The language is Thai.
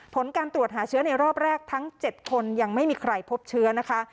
ผลการตรวจหาเชื้อในรอบแรกทั้ง๗คนยังไม่มีใครพบเชื้อนะคะ